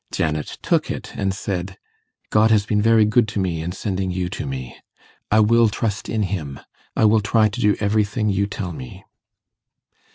Janet took it and said, 'God has been very good to me in sending you to me. I will trust in Him. I will try to do everything you tell me.